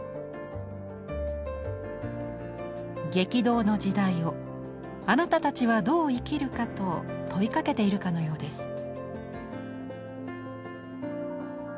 「激動の時代をあなたたちはどう生きるか」と問いかけているかのようです。